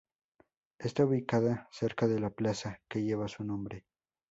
Está ubicada cerca de la plaza que lleva su nombre.